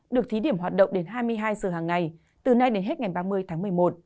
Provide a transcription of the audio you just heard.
được thí điểm hoạt động đến hai mươi hai giờ hàng ngày từ nay đến hết ngày ba mươi tháng một mươi một